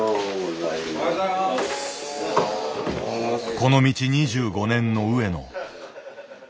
この道２５年の上野。